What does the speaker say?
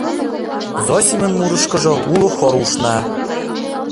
Зосимын мурышкыжо уло хор ушна.